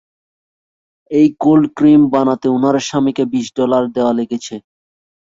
এই cold cream কিনতে ওনার স্বামীকে বিশ ডলার দেয়া লেগেছে!